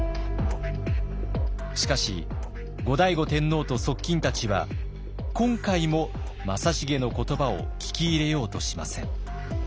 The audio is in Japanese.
しかし後醍醐天皇と側近たちは今回も正成の言葉を聞き入れようとしません。